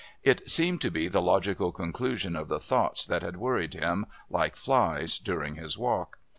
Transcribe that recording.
It seemed to be the logical conclusion of the thoughts that had worried him, like flies, during his walk.